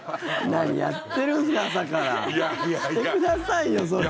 何やってるんですか朝からしてくださいよ、それは。